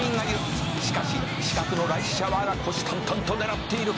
「しかし死角のライスシャワーが虎視眈々と狙っているか」